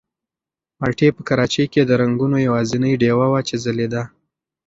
مالټې په کراچۍ کې د رنګونو یوازینۍ ډېوه وه چې ځلېده.